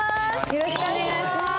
よろしくお願いします。